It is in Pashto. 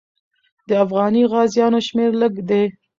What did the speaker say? د افغاني غازیانو شمېر لږ دی.